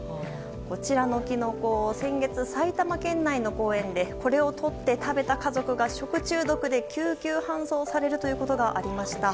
こちらのキノコ先月、埼玉県内の公園でこれをとって食べた家族が食中毒で救急搬送されるということがありました。